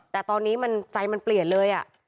แต่ตอนนี้มันใจมันเปลี่ยนเลย